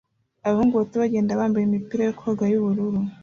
Abahungu bato bagenda bambaye imipira yo koga yubururu